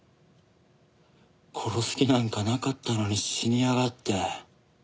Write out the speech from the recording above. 殺す気なんかなかったのに死にやがって。